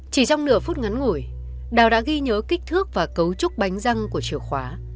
chỉ trong nửa phút ngắn ngủi đào đã ghi nhớ kích thước và cấu trúc bánh răng của chìa khóa